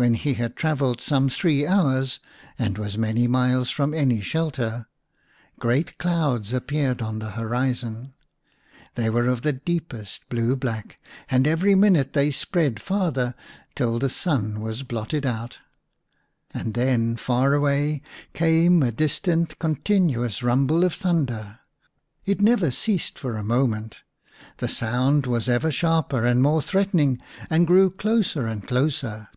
When he had travelled some three hours and was many miles from any shelter, great clouds appeared on the horizon. They were of the deepest blue black, and every minute they spread farther, till the sun was blotted out. And then far away came a distant continuous rumble of thunder. It never ceased for a moment ; the sound was ever sharper and more threatening, and grew closer and closer.